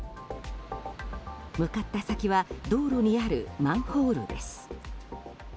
向かった先は道路にあるマンホールです。